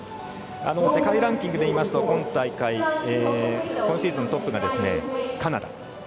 世界ランキングでいいますと今大会、今シーズントップがカナダ。